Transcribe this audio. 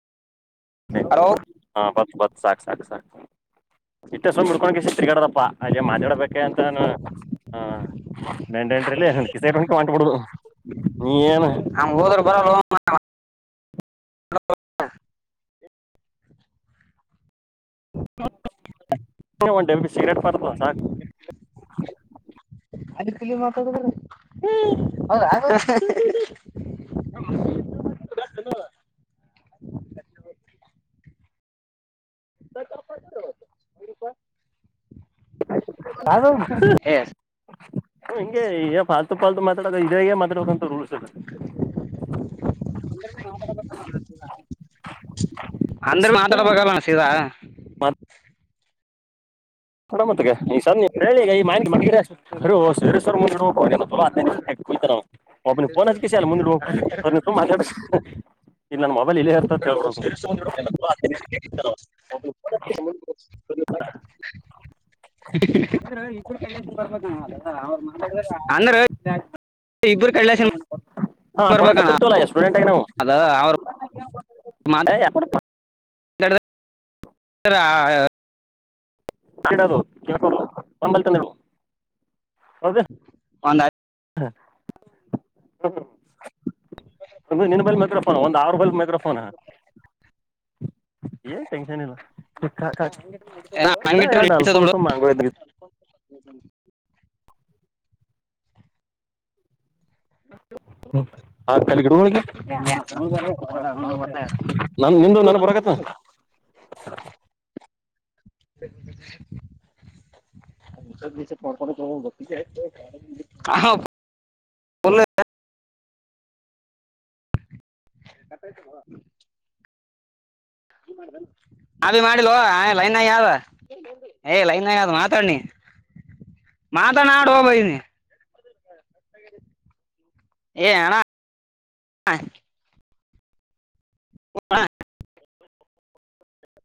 hello ಬಸ್ ಬಸ್ ಬಾ ಸಾಕ್ ಸಾಕ್ ಇಷ್ಟ ಸುಮ್ ಮುಡ್ಕೊಂಡ ತಿರ್ಗಾಡದಪ್ಪಾ ಅಲ್ಲಿ ಮಾತಾಡ್ಬೇಕ ಅಂತಾನ ಆ ಬೆಂಡೆಂಡ್ರಲ್ಲಿ ಹಕಿಸೇ ಹುಕಿ ಮಾಡಂಟಬಿಡು ನೀ ಏನ್ [inaudible] [inaudible] ಒ ಸಿಗರೇಟ್ ಪ ಹ್ಮ್ ಹ ಸಪ್ಪ ಅಪ ಯ ಎಂಗ ಪು ಕಲ್ ಮಾತಾೋ ಇದೇ ಮಾತಾಡಂತ ಅಂದರು ಮಾತಾಡಬಗಣ ಸೀದಾ ಕೊಡ ಮತ್ತಗ ಈ ಸ ನೀ ಹೇಳಿಗ ಈ ಮಾಹಿತಿ ಮಾಡಿರಿಷ್ಟ ಅ ಸೇರ್ರ್ ಮುಂದ ಕುತ ಒಮಿನಿ ಫೋನ್ ಹಚ್ಚ ಹ ಕ ಮುಂದು ಆದ್ರೆ ಈ ಕೂಡ ಬರ್ಬೇಕ ಅಲ್ಲ ಅಂದ್ರ ಇಬ್ರು ಕಡ್ಲೇಸಿನ ಅವ್ರ ಬರ್ಬೇಕಣ್ಣ ಹಾಂಣಕಿರ್ತೋ ಎಷ್ಟ ಅದ ಅವರ ಹ ಎಡ ಹರ ಕದು ಅಂಬಲ್ ತನ ಒಂದಾಯ್ತು ಹಾ ಹ ಒ ನಿ ಬೈಲ್ ಮೈಕ್ರೋಫೋನ್ ಒಂದ್ ಆರುಬೈಲ್ ಮೈಕ್ರೋಫೋನ್ ಏನ್ ಟೆನ್ಷನ್ ಇಲ್ಲ ಕ ಇಡ ಹಂಗಿಟ್ರೆ ಎರಡು ನಡೀತದ ಬಿಡು ಆಲ್ಫಾಮ್ಸು ಮ್ಯಾಂಗೋ [inaudible] [unintelligible] ಆ ಕಲಿಗಡ ಹಳಗೆ [inaudible] ನ ನಿ್ದು ನ ಬರಕತೆ [inaudible] ಪ [inaudible] ಅಭಿಮಾನಿ ಮಾಡಡಿಲು ಆ ಲೈ ನ ಯಾದ ಲೈ ನ ಯಾದ ಮಾತಡ ನೀ ಮಾತ ನ ಆಡ ಭ ಏ ಆಣ ಹ [inaudible]